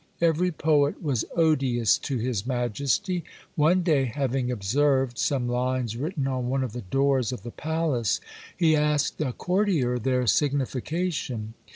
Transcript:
Every poet was odious to his majesty. One day, having observed some lines written on one of the doors of the palace, he asked a courtier their signification.